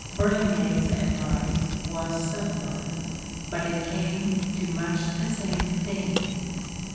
Burlingame's advice was sub tlei', but it came to much the same thing.